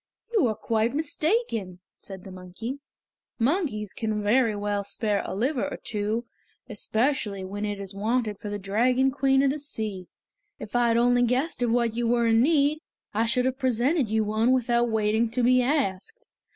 "You are quite mistaken," said the monkey. "Monkeys can very well spare a liver or two, especially when it is wanted for the Dragon Queen of the Sea. If I had only guessed of what you were in need, I should have presented you with one without waiting to be asked.